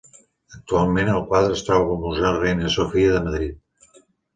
Actualment el quadre es troba al Museu Reina Sofia de Madrid.